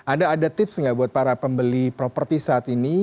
ada ada tips nggak buat para pembeli properti saat ini